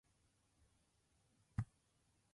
りょうりけんきゅうか